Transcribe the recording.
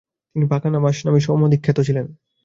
তিনি পাকা নাভাস নামেই সমধিক খ্যাত ছিলেন।